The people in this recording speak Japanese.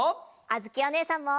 あづきおねえさんも。